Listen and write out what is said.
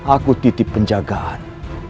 aku titip penjagaan